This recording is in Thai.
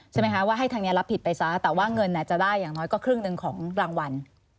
ใช่ไหมคะว่าให้ทางนี้รับผิดไปซะแต่ว่าเงินจะได้อย่างน้อยก็ครึ่งหนึ่งของรางวัล